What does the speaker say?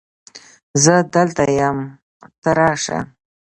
زه دلته یم ته راشه